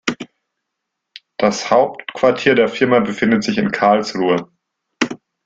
Das Hauptquartier der Firma befindet sich in Karlsruhe